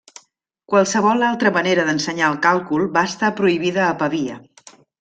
Qualsevol altra manera d'ensenyar el càlcul va estar prohibida a Pavia.